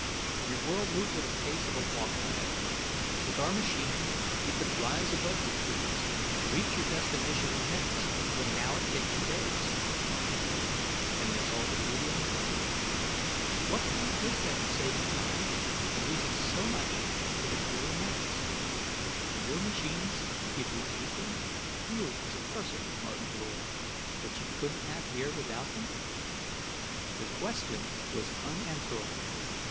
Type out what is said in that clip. "Your world moves at the pace of a walk, Niaga; with our machines, you could rise above your trees, reach your destination in minutes when now it takes you days." "And miss all the beauty on the way. What point is there in saving time, and losing so much that really matters? Do your machines give you anything you as a person, Martin Lord that you couldn't have here without them?" The question was unanswerable.